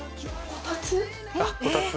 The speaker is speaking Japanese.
こたつ。